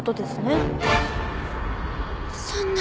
そんな。